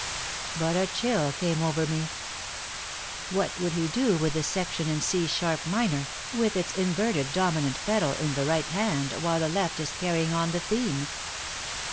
But a chill came over me. What would he do with the section in C sharp minor, with its inverted dominant pedal in the right hand while the left is carrying on the theme?